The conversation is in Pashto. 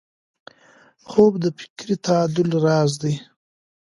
خوب د فکري تعادل راز دی